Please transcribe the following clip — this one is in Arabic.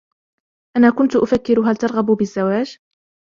أنا كنت أفكر هل ترغب بالزواج ؟